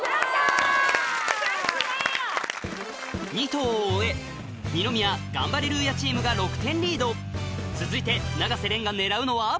２投を終え二宮・ガンバレルーヤチームが６点リード続いて永瀬廉が狙うのは？